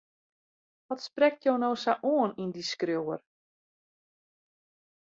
Wat sprekt jo no sa oan yn dy skriuwer?